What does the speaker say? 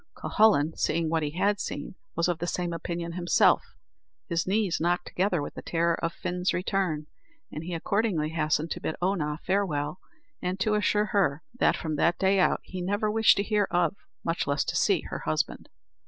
Cuhullin, seeing what he had seen, was of the same opinion himself; his knees knocked together with the terror of Fin's return, and he accordingly hastened to bid Oonagh farewell, and to assure her, that from that day out, he never wished to hear of, much less to see, her husband.